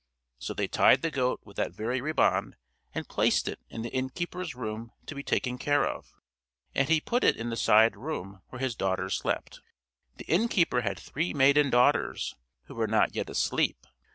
So they tied the goat with that very riband and placed it in the innkeeper's room to be taken care of, and he put it in the side room where his daughters slept. The innkeeper had three maiden daughters, who were not yet asleep.